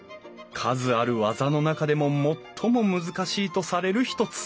数ある技の中でも最も難しいとされる一つ。